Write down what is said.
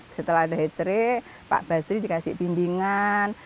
setelah ada hatre pak basri dikasih bimbingan